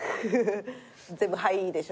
全部「はい」でしょ？